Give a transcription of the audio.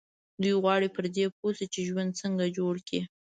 دوی غواړي پر دې پوه شي چې ژوند څنګه جوړ کړي.